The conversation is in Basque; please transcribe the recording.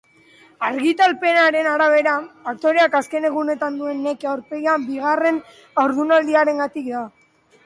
Argitalpenaren arabera, aktoreak azken egunetan duen neke aurpegia bigarren haurdunaldiarengatik da.